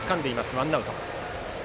ワンアウト。